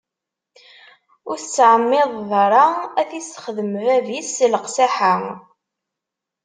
Ur tettɛemmideḍ ara ad t-issexdem bab-is s leqsaḥa.